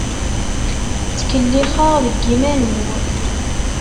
Ttkellixeɣ deg yiman-iw.